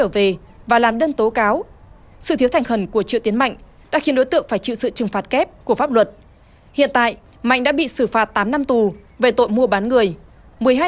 vụ án triệu tiến mạnh phạm tội mua bán người đã tạm khép lại